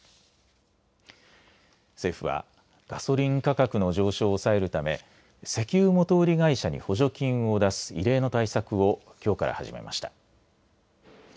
政府はガソリン価格の上昇を抑えるため石油元売り会社に補助金を出す異例の対策をきょうから始めました。